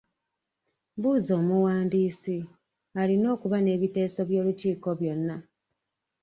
Buuza omuwandiisi, alina okuba n'ebiteeso by'olukiiko byonna.